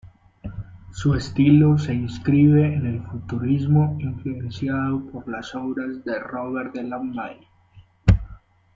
Su estilo se inscribe en el futurismo influenciado por las obras de Robert Delaunay.